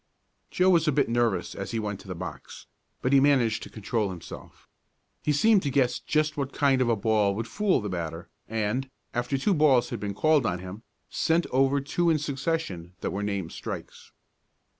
Joe was a bit nervous as he went to the box, but he managed to control himself. He seemed to guess just what kind of a ball would fool the batter, and, after two balls had been called on him, sent over two in succession that were named strikes.